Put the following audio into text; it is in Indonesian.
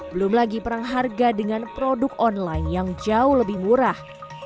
belum lagi perang harga dengan produk online yang jauh lebih murah